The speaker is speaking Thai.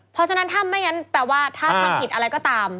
เพราะฉะนั้นถ้าไม่งั้นแปลว่าถ้าทำผิดอะไรก็ตาม